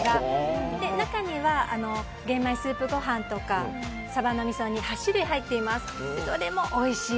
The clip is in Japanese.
中には玄米スープご飯とかサバのみそ煮など８種類入っています。